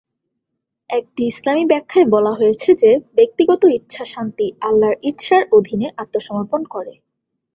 একটি ইসলামি ব্যাখ্যায় বলা হয়েছে যে ব্যক্তিগত ইচ্ছা শান্তি আল্লাহর ইচ্ছার অধীনে আত্মসমর্পণ করে।